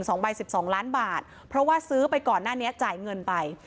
สองใบสิบสองล้านบาทเพราะว่าซื้อไปก่อนหน้านี้จ่ายเงินไป